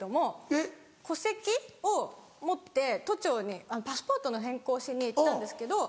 えっ？戸籍を持って都庁にパスポートの変更しに行ったんですけど。